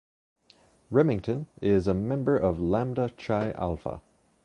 Rimington is a member of Lambda Chi Alpha.